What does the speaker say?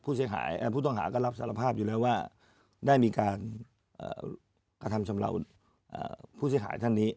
ผู้ต้องหาก็รับสารภาพอยู่แล้วว่าได้มีการกระทำสำหรับผู้เสียหายท่านนี้